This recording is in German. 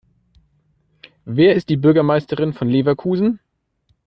Wer ist die Bürgermeisterin von Leverkusen?